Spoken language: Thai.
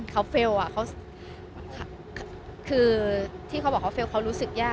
เขาเฟลล์เขาคือที่เขาบอกว่าเฟลล์เขารู้สึกยาก